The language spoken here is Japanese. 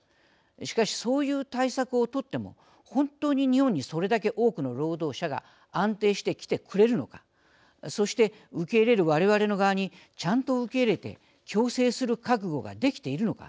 しかし、そういう対策を取っても本当に、日本にそれだけ多くの労働者が安定して来てくれるのかそして、受け入れる我々の側にちゃんと受け入れて共生する覚悟ができているのか